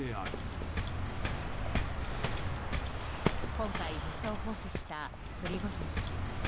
今回、武装蜂起したプリゴジン氏。